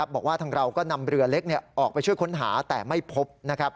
บอกว่าทางเราก็นำเรือเล็กออกไปช่วยค้นหาแต่ไม่พบ